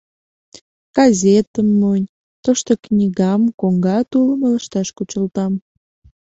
Газетым мойн, тошто книгам коҥга тулым ылыжташ кучылтам...